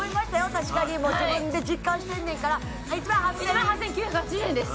確かに自分で実感してんねんから１万８０００１万８９８０円です